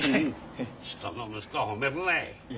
人の息子褒めるない。